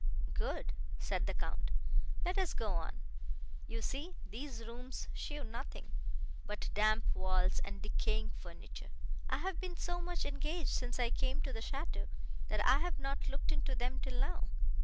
"Good;" said the Count; "let us go on. You see these rooms show nothing, but damp walls and decaying furniture. I have been so much engaged since I came to the château, that I have not looked into them till now.